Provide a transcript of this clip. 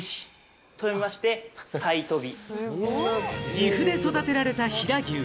岐阜で育てられた飛騨牛。